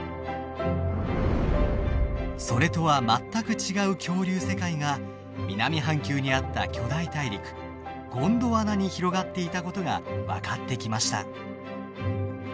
それとは全く違う恐竜世界が南半球にあった巨大大陸ゴンドワナに広がっていたことが分かってきました。